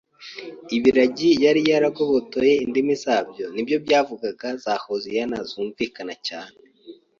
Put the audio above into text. Ibiragi yari yaragobotoye indimi zabyo ni byo byavugaga za Hoziyana zumvikana cyane.